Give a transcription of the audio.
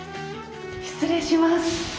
失礼します。